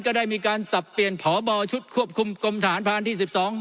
ก็ได้มีการสับเปลี่ยนผ่อบ่อชุดควบคุมกรมฐานภาณที่๑๒